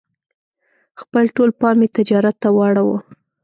خپل ټول پام یې تجارت ته واړاوه.